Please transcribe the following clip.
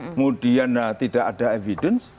kemudian tidak ada evidence